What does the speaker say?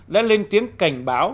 đã lên tiếng cảnh báo